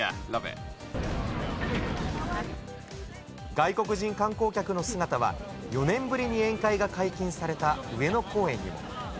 外国人観光客の姿は、４年ぶりに宴会が解禁された上野公園でも。